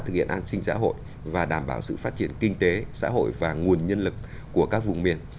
thực hiện an sinh xã hội và đảm bảo sự phát triển kinh tế xã hội và nguồn nhân lực của các vùng miền